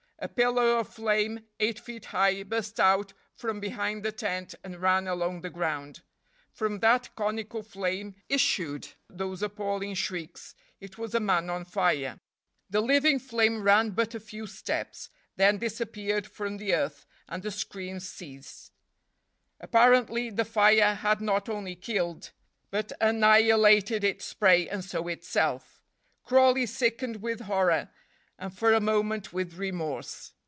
A pillar of flame eight feet high burst out from behind the tent and ran along the ground. From that conical flame issued those appalling shrieks it was a man on fire. The living flame ran but a few steps, then disappeared from the earth, and the screams ceased. Apparently the fire had not only killed, but annihilated its prey and so itself. Crawley sickened with horror, and for a moment with remorse.